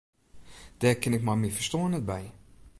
Dêr kin ik mei myn ferstân net by.